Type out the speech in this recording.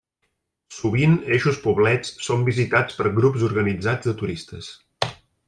Sovint eixos poblets són visitats per grups organitzats de turistes.